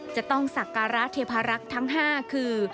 จะต้องสักการะเทพารักษ์ทั้ง๕คือ